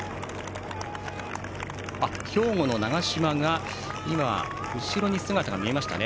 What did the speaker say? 兵庫の長嶋が後ろに姿が見えましたね。